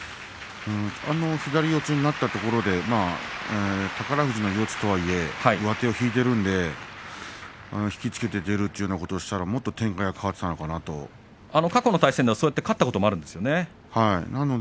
左四つになったところで宝富士の四つとはいえ右上手を引いているので引き付けて出るということをしたらもっと展開は過去の対戦ではそれで勝ったことがありますね。